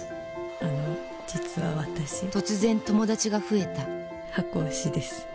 あの実は私突然友達が増えた箱推しです。